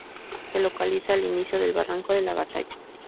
Se localiza al inicio del barranco de la Batalla.